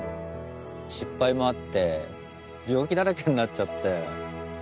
失敗もあって病気だらけになっちゃって。